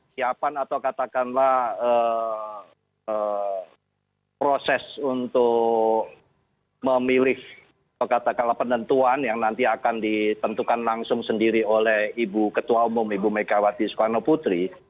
siapan atau katakanlah proses untuk memilih atau katakanlah penentuan yang nanti akan ditentukan langsung sendiri oleh ibu ketua umum ibu megawati soekarno putri